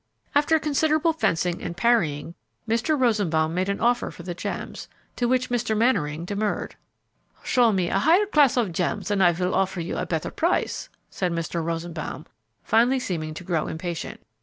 After considerable fencing and parrying, Mr. Rosenbaum made an offer for the gems, to which Mr. Mannering demurred. "Show me a higher class of gems and I will offer you a better price," said Mr. Rosenbaum, finally seeming to grow impatient.